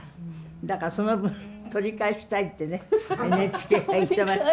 だからその分取り返したいってねＮＨＫが言ってました。